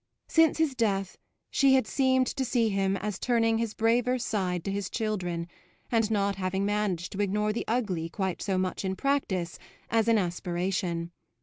Since his death she had seemed to see him as turning his braver side to his children and as not having managed to ignore the ugly quite so much in practice as in aspiration.